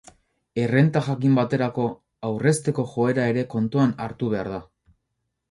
Errenta jakin baterako, aurrezteko joera ere kontuan hartu behar da.